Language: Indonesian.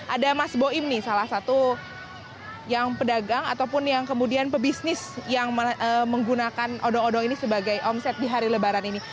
ada mas boim nih salah satu yang pedagang ataupun yang kemudian pebisnis yang menggunakan odong odong ini sebagai omset di hari lebaran ini